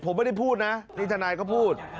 ผมไม่ได้พูดนะนี่ทนายก็พูด